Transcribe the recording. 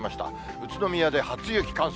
宇都宮で初雪観測。